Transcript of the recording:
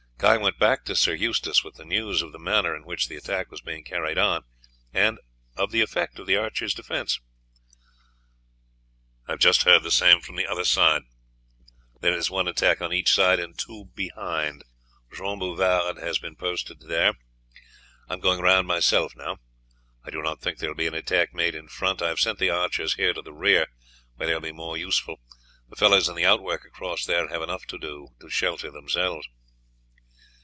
Guy went back to Sir Eustace with the news of the manner in which the attack was being carried on, and of the effect of the archers' defence. "I have just heard the same from the other side; there is one attack on each side and two behind; Jean Bouvard has posted himself there. I am going round myself now; I do not think there will be any attack made in front. I have sent the archers here to the rear, where they will be more useful; the fellows in the outwork across there have enough to do to shelter themselves."